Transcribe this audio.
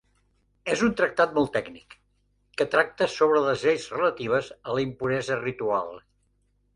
És un tractat molt tècnic, que tracta sobre les lleis relatives a la impuresa ritual.